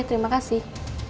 oke terima kasih